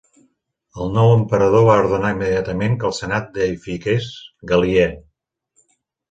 El nou emperador va ordenar immediatament que el senat deïfiqués Gal·liè.